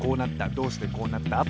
どうしてこうなった？